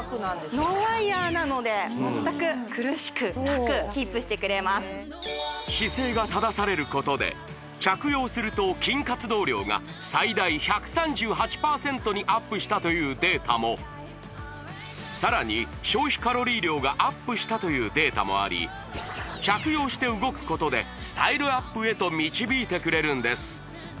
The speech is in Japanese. ノンワイヤーなので全く苦しくなくキープしてくれます姿勢が正されることで着用すると筋活動量が最大１３８％にアップしたというデータもさらに消費カロリー量がアップしたというデータもあり着用して動くことでスタイルアップへと導いてくれるんです